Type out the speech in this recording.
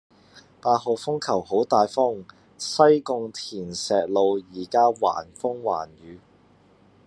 八號風球好大風，西貢田石路依家橫風橫雨